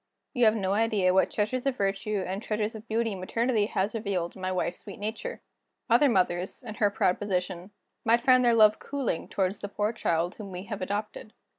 You have no idea what treasures of virtue and treasures of beauty maternity has revealed in my wife's sweet nature. Other mothers, in her proud position, might find their love cooling toward the poor child whom we have adopted.